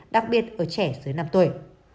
đặc biệt ở trẻ dưới năm tuổi